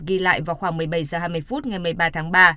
ghi lại vào khoảng một mươi bảy h hai mươi phút ngày một mươi ba tháng ba